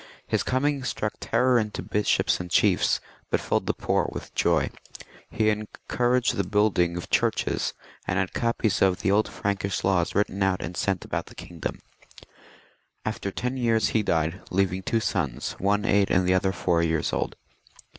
" His coming struck terror into bishops and chiefs, but filled the poor with joy," He encouraged the building of churches, and had copies of the old Frankish laws written out and sent about the kingdom. \ After ten years he died, leaving two sons, one eight and the other four years old.